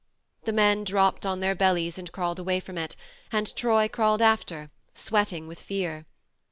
The men dropped on their bellies and crawled away from it, and Troy crawled after, sweating with fear.